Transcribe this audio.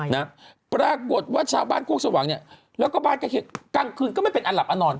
นะปรากฏว่าชาวบ้านโคกสว่างเนี่ยแล้วก็บ้านใกล้กลางคืนก็ไม่เป็นอันหลับอันนอน